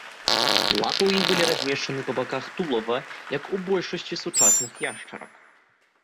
Лапы ў іх былі размешчаны па баках тулава, як у большасці сучасных яшчарак.